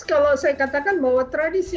kalau saya katakan bahwa tradisi